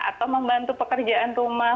atau membantu pekerjaan rumah